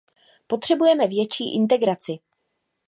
Potřebujeme větší integraci.